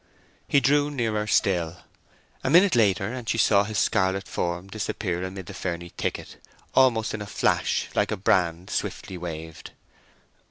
He drew nearer still. A minute later and she saw his scarlet form disappear amid the ferny thicket, almost in a flash, like a brand swiftly waved.